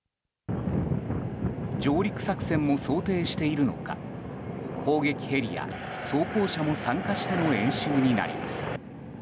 上陸作戦を想定しているのか攻撃ヘリや装甲車も参加しての演習になります。